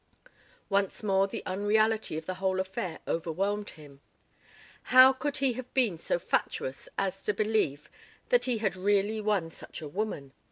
Once more the unreality of the whole affair overwhelmed him. How could he have been so fatuous as to believe that he had really won such a woman?